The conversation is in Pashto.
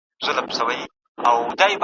کله لس کله پنځلس کله شل وي ,